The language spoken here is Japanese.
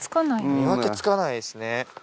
見分けつかないですね。